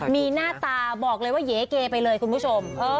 มีหน้าตาบอกเลยว่าเยเกไปเลยคุณผู้ชม